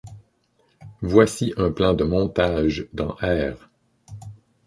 Voici un plan de montage dans ℝ.